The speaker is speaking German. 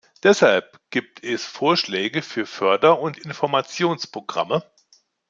Deshalb gibt es Vorschläge für Förder- und Informationsprogramme.